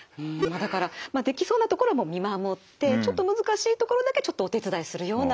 だからできそうなところは見守ってちょっと難しいところだけちょっとお手伝いするような感じですかね。